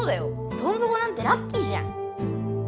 どんぞこなんてラッキーじゃん！